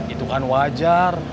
itu kan wajar